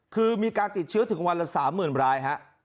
คือมีการติดเชื้อถึงวันละ๓๐๐๐ราย